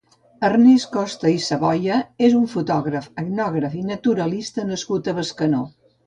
Ernest Costa i Savoia és un fotògraf, etnògraf i naturalista nascut a Bescanó.